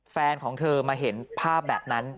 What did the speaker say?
แฟนของเธอมาเห็นภาพแบบนั้น